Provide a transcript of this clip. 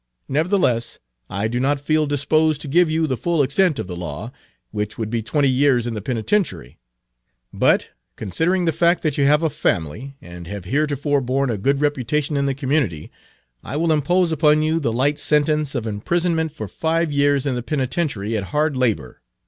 Nevertheless, I do not feel disposed to give you the full extent of the law, which would be twenty years in the penitentiary,1 but, considering the fact that you have a family, and have heretofore borne a good reputation in the community, I will impose upon you the light sentence of imprisonment for five years in the penitentiary at hard labor.